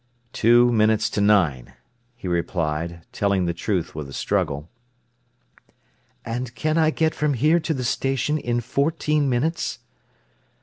"Two minutes to nine," he replied, telling the truth with a struggle. "And can I get from here to the station in fourteen minutes?"